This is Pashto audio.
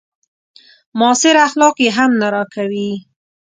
معاصر اخلاق يې هم نه راکوي.